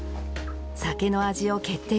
酒の味を決定